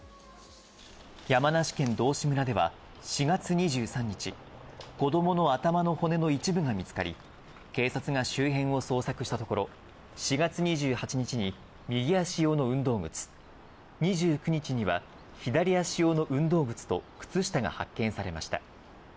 山梨県道志村では４月２３日、子どもの頭の骨の一部が見つかり、警察が周辺を捜索したところ、４月２８日に右足用の運動靴、２９日には、左足用の運動靴と靴下が発見されました。